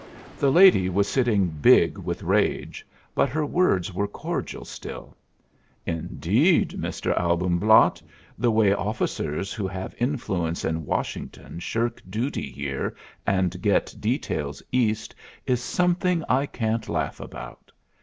The lady was sitting big with rage, but her words were cordial still: "Indeed, Mr. Albumblatt, the way officers who have influence in Washington shirk duty here and get details East is something I can't laugh about.